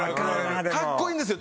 かっこいいんですよ。